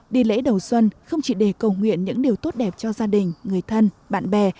đi lễ đầu xuân không chỉ để cầu nguyện những điều tốt đẹp cho gia đình người thân bạn bè